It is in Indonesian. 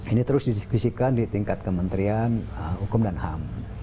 ini terus didiskusikan di tingkat kementerian hukum dan ham